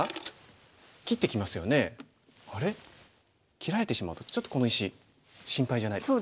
切られてしまうとちょっとこの石心配じゃないですか。